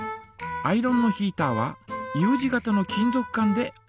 アイロンのヒータはＵ字形の金ぞく管でおおわれています。